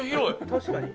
確かに。